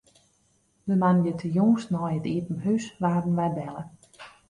De moandeitejûns nei it iepen hús waarden wy belle.